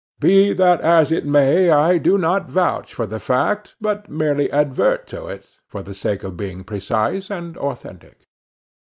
Be that as it may, I do not vouch for the fact, but merely advert to it, for the sake of being precise and authentic.